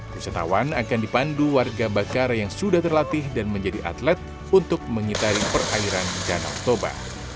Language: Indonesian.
wisatawan akan dipandu warga bakar yang sudah terlatih dan menjadi atlet untuk mengitari perairan danau toba